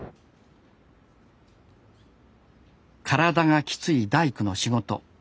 体がきつい大工の仕事。